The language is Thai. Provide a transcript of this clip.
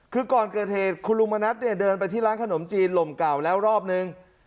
คือก่อนเกิดเหตุคุณลุงมณัฐเนี่ยเดินไปที่ร้านขนมจีนลมเก่าแล้วรอบนึง